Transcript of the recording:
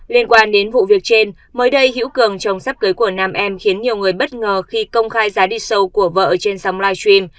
liên quan đến vụ việc trên mới đây hữu cường trồng sắp cưới của nam em khiến nhiều người bất ngờ khi công khai giá đi sâu của vợ trên sóng live stream